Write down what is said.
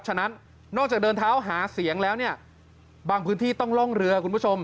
ฉะนั้นนอกจากเดินเท้าหาเสียงแล้วเนี่ยบางพื้นที่ต้องล่องเรือคุณผู้ชม